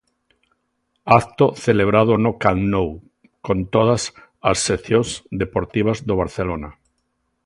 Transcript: Acto celebrado no Camp Nou con todas as seccións deportivas do Barcelona.